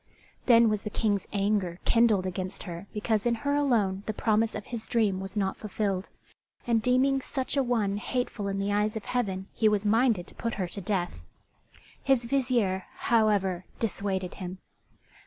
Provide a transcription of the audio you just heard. Then was the King's anger kindled against her because in her alone the promise of his dream was not fulfilled; and deeming such a one hateful in the eyes of Heaven he was minded to put her to death. His vizier, however, dissuaded him.